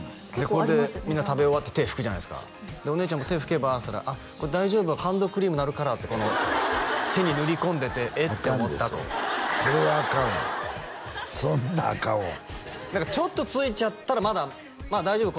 これでみんな食べ終わって手拭くじゃないですかお姉ちゃんも手拭けばっつったら「これ大丈夫ハンドクリームになるから」ってこの手に塗り込んでて「えっ？」って思ったとそれはアカンわそんなんアカンわちょっとついちゃったらまだまあ大丈夫